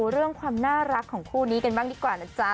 เรื่องความน่ารักของคู่นี้กันบ้างดีกว่านะจ๊ะ